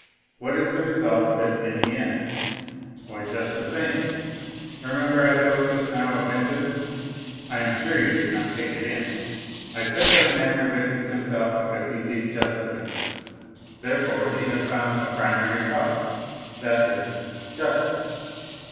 What is the result of it in the end ? Why, just the same. Remember I spoke just now of vengeance. (I am sure you did not take it in.) I said that a man revenges himself because he sees justice in it. There fore he has found a primary cause, that is, justice.